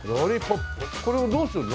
これをどうすんの？